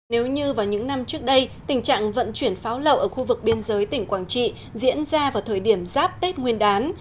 nếu như vào những năm trước đây tình trạng vận chuyển pháo lậu ở khu vực biên giới tỉnh quảng trị diễn ra vào thời điểm giáp tết nguyên đán